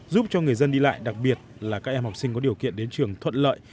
giúp cho người dân đi lại đặc biệt là các em học sinh có điều kiện đến trường thuận lợi